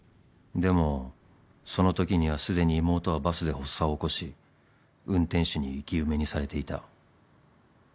［でもそのときにはすでに妹はバスで発作を起こし運転手に生き埋めにされていた］